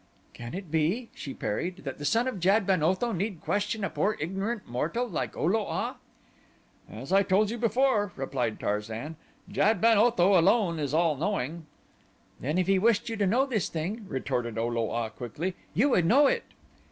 "Can it be," she parried, "that the son of Jad ben Otho need question a poor ignorant mortal like O lo a?" "As I told you before," replied Tarzan, "Jad ben Otho alone is all knowing." "Then if he wished you to know this thing," retorted O lo a quickly, "you would know it."